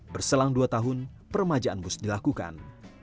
berselang dua tahun peremajaan bus dilakukan